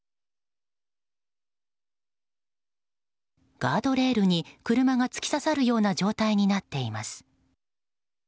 ガードレールに車が突き刺さるような状態になっています。